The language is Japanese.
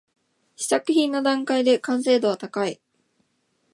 試作品の段階で完成度は高い